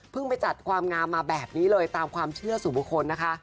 ไปจัดความงามมาแบบนี้เลยตามความเชื่อสู่บุคคลนะคะ